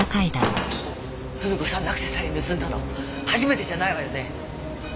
ふみ子さんのアクセサリーを盗んだの初めてじゃないわよね？